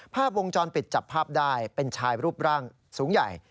ภาพวงจรปิดจับภาพได้เป็นชายรูปร่างสูงใหญ่